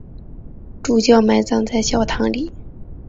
主教埋葬在小堂里。